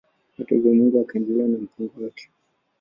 Hata hivyo Mungu akaendelea na mpango wake.